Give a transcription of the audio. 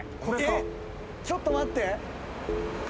えっちょっと待って。